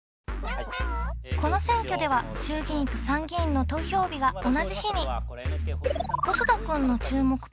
この選挙では衆議院と参議院の投票日が同じ日に。